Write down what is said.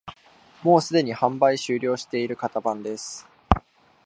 もうすでに販売終了している型番です